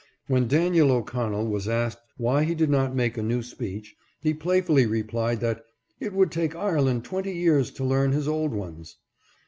When Daniel O'Connell was asked why he did not make a new speech he playfully re plied that " it would take Ireland twenty years to learn his old ones."